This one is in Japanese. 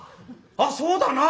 あっそうだな！